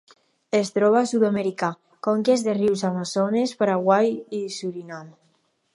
Es troba a Sud-amèrica: conques dels rius Amazones, Paraguai i Surinam.